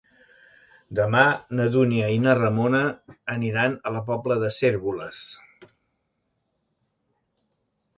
Demà na Dúnia i na Ramona aniran a la Pobla de Cérvoles.